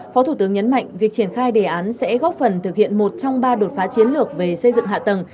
phó thủ tướng nhấn mạnh việc triển khai đề án sẽ góp phần thực hiện một trong ba đột phá chiến lược về xây dựng hạ tầng